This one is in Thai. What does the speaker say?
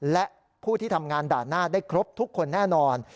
และผู้ที่ทำงานด่านหน้าได้ครบทุกคนแน่นอน